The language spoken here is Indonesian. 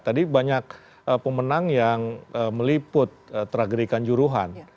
tadi banyak pemenang yang meliput teragerikan juruhan